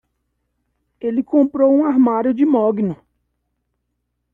Ele comprou um armário de mogno